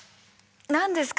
何ですか？